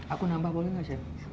aku nambah boleh nggak chef